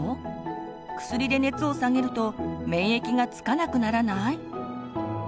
薬で熱を下げると免疫がつかなくならない？